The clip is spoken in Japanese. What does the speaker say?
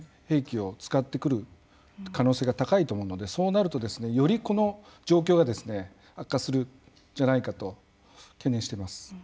兵器を使ってくる可能性が高いと思うのでそうなるとですねよりこの状況がですね悪化するんじゃないかと懸念しています。